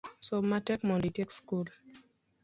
Som matek mondo itiek sikul